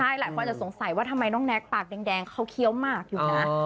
ใช่หลายคนจะสงสัยว่าทำไมน้องแน็กปากแดงเขาเคี้ยวหมากอยู่นะ